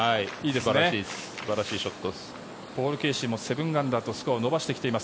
素晴らしいショットです。